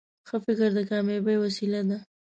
ښه فکر د کامیابۍ وسیله ده.